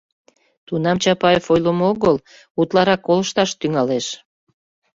Тунам Чапаев ойлымо огыл, утларак колышташ тӱҥалеш.